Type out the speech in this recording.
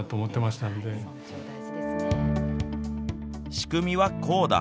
仕組みはこうだ。